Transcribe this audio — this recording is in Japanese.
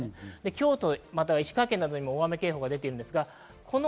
京都、石川県などにも大雨警報が出ています。